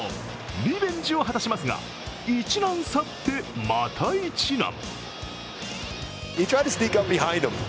リベンジを果たしますが一難去ってまた一難。